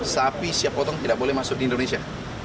sapi siap potong tidak boleh masuk di indonesia